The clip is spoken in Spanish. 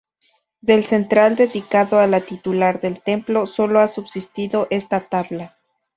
Del central, dedicado a la titular del templo, solo ha subsistido esta tabla.